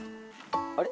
あれ？